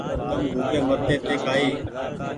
تم ڀوڪي مرتي تي ڪآئي